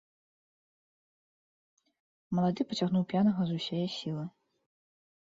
Малады пацягнуў п'янага з усяе сілы.